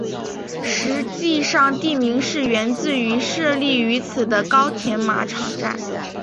实际上地名是源自于设立于此的高田马场站。